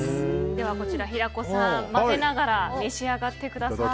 では、平子さん混ぜながら召し上がってください。